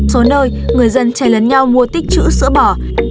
số nơi người dân chạy lấn nhau mua tích trữ sữa bỏ